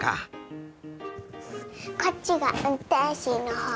こっちがうんてんしのほう。